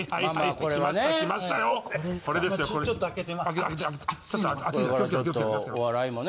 これからちょっとお笑いもね。